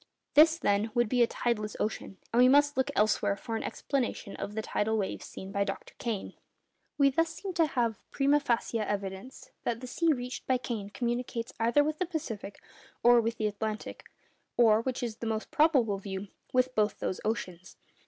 This, then, would be a tideless ocean, and we must look elsewhere for an explanation of the tidal waves seen by Dr. Kane. We thus seem to have primâ facie evidence that the sea reached by Kane communicates either with the Pacific or with the Atlantic, or—which is the most probable view—with both those oceans.